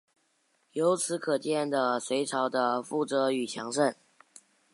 由此可见的隋朝的富庶与强盛。